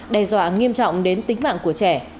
đe dọa nghiêm trọng đến tính mạng của trẻ